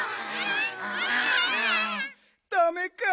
ダメか。